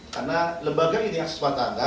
karena lembaga ini yang sesuatu